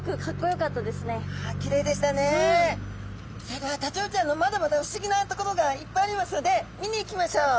それではタチウオちゃんのまだまだ不思議なところがいっぱいありますので見に行きましょう。